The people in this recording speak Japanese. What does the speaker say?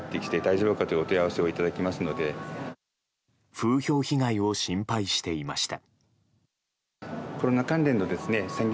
風評被害を心配していました。